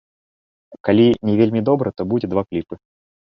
Калі не вельмі добра, то будзе два кліпы.